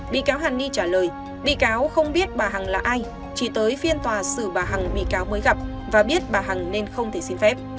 bị cáo hàn ni trả lời bị cáo không biết bà hằng là ai chỉ tới phiên tòa xử bà hằng bị cáo mới gặp và biết bà hằng nên không thể xin phép